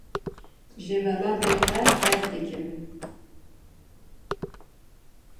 Amerîkayê derbarê rewşa Efrînê de daxuyanî da.